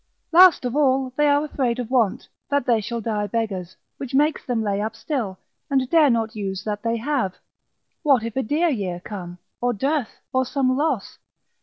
Last of all, they are afraid of want, that they shall die beggars, which makes them lay up still, and dare not use that they have: what if a dear year come, or dearth, or some loss?